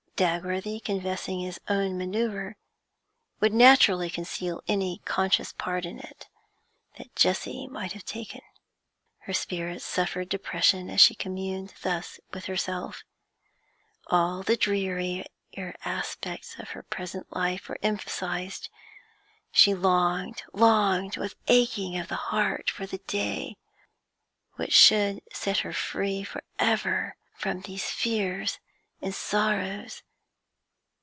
Dagworthy, confessing his own manoeuvre, would naturally conceal any conscious part in it that Jessie might have taken. Her spirits suffered depression as she communed thus with herself; all the drearier aspects of her present life were emphasised; she longed, longed with aching of the heart for the day which should set her free for ever from these fears and sorrows.